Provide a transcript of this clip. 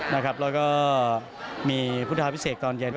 แล้วก็มีพุทธาพิเศษตอนเย็น